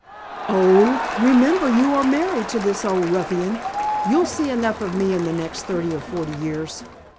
"Oh! Remember you are married to this old ruffian. You'll see enough of me in the next thirty or forty years.